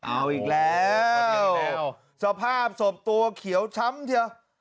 เอาอีกแล้วสภาพศพตัวเขียวช้ำเดียว